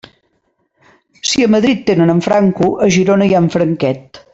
Si a Madrid tenen en Franco, a Girona hi ha en Franquet.